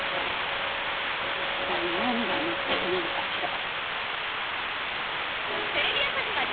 一体何が目的なのかしら。